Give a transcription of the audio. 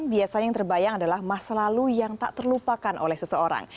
biasanya yang terbayang adalah masa lalu yang tak terlupakan oleh seseorang